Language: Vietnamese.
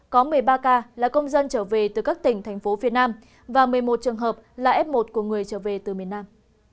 có một mươi ba ca là công dân trở về từ các tỉnh thành phố phía nam và một mươi một trường hợp là f một của người trở về từ miền nam